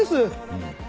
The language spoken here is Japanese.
うん。